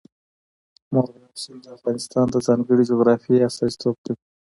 مورغاب سیند د افغانستان د ځانګړي جغرافیه استازیتوب کوي.